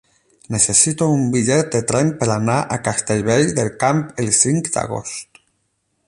Necessito un bitllet de tren per anar a Castellvell del Camp el cinc d'agost.